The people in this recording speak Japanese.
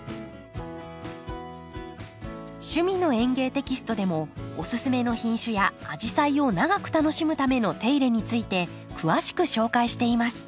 「趣味の園芸」テキストでもオススメの品種やアジサイを長く楽しむための手入れについて詳しく紹介しています。